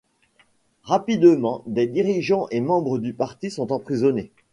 Rapidement, des dirigeants et membres du parti sont emprisonnés.